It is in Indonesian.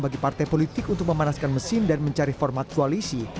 bagi partai politik untuk memanaskan mesin dan mencari format koalisi